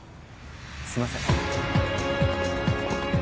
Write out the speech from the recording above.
すいません。